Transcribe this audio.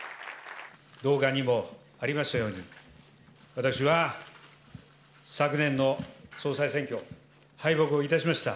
動画にもありましたように、私は、昨年の総裁選挙、敗北をいたしました。